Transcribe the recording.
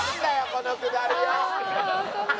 このくだりよ。